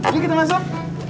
yuk kita masuk